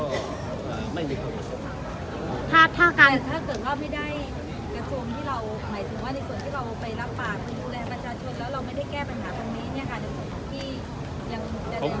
แล้วเราไม่ได้แก้ปัญหาทางนี้เนี่ยค่ะ